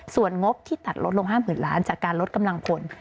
ส่วนงบที่ตัดลดลง๕๐๐๐ล้านจากการลดกำลังพล